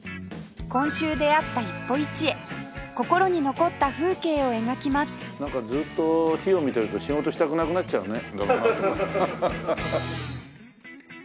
今週出会った一歩一会心に残った風景を描きますなんかずっと火を見てると仕事したくなくなっちゃうね。